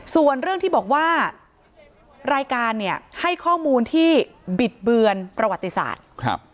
ส่วนเรื่องที่บอกว่ารายการเนี่ยให้ข้อมูลที่บิดเบือนประวัติศาสตร์